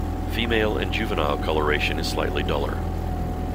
Female and juvenile coloration is slightly duller.